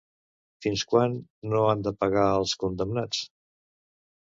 Fins quan no han de pagar els condemnats?